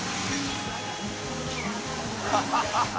ハハハ